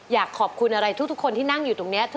อยากขอบคุณอะไรทุกคนที่นั่งอยู่ตรงนี้